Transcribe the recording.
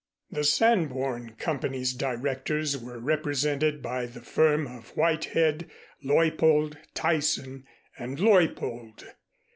The Sanborn Company's directors were represented by the firm of Whitehead, Leuppold, Tyson and Leuppold.